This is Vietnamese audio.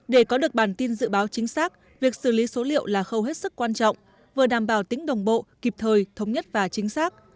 để có được bản tin dự báo chính xác việc xử lý số liệu là khâu hết sức quan trọng vừa đảm bảo tính đồng bộ kịp thời thống nhất và chính xác